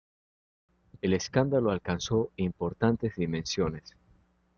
El escándalo alcanzó importantes dimensiones.